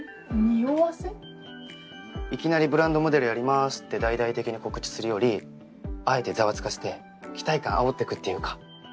いきなり「ブランドモデルやります」って大々的に告知するよりあえてざわつかして期待感あおってくっていうか。